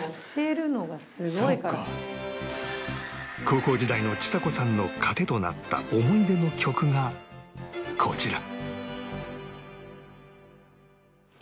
高校時代のちさ子さんの糧となった思い出の曲がこちら